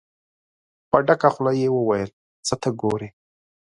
په ډکه خوله يې وويل: څه ته ګورئ؟